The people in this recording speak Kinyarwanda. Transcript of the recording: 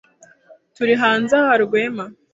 Turi hanze aha, Rwema.